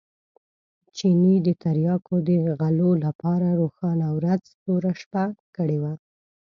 چیني د تریاکو د غلو لپاره روښانه ورځ توره شپه کړې وه.